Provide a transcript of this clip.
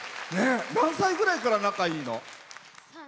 何歳ぐらいから仲いいの？